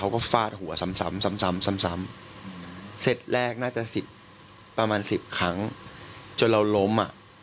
ก็ฟาดหัวซ้ำเสร็จแรกน่าจะ๑๐ประมาณ๑๐ครั้งจนเราล้ม